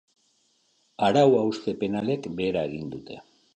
Arau-hauste penalek behera egin dute.